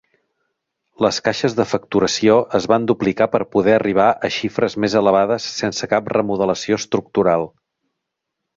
Les caixes de facturació es van duplicar per poder arribar a xifres més elevades sense cap remodelació estructural.